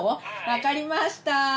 分かりました。